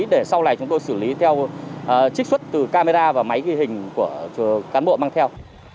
để sau này chúng tôi xử lý theo trích xuất từ camera và máy ghi hình của cán bộ mang theo